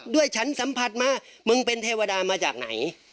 ฉันสัมผัสมามึงเป็นเทวดามาจากไหน